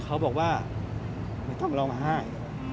เขาบอกว่าไม่ต้องเล่ามาไห้